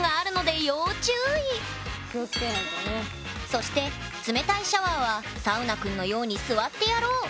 そして冷たいシャワーはサウナくんのように座ってやろう。